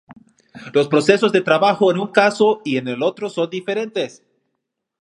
Los procesos de trabajo en un caso y en el otro son diferentes.